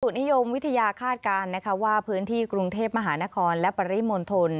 นิยมวิทยาคาดการณ์นะคะว่าพื้นที่กรุงเทพมหานครและปริมณฑล